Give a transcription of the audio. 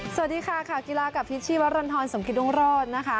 สวัสดีค่ะกีฬากับพิษชีวรรณธรสมคริตรรวงรอด